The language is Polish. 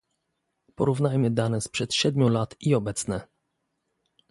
Porównajmy dane sprzed siedmiu lat i obecne